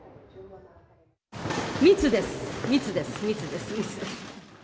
密です、密です、密です。